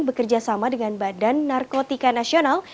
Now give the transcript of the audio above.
bekerjasama dengan badan narkotika nasional